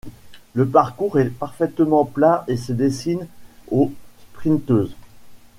Le parcours est parfaitement plat et se destine aux sprinteuses.